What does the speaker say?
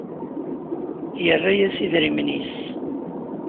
Yerra-as idrimen-nnes.